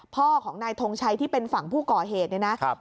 พ่อของนายทงชัยที่เป็นฝั่งผู้ก่อเหตุเนี่ยนะ